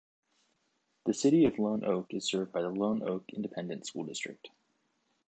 The city of Lone Oak is served by the Lone Oak Independent School District.